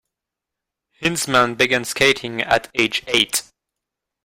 Hinzmann began skating at age eight.